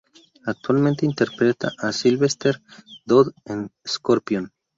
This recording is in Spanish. Actualmente interpreta a Silvester Dodd en Scorpion.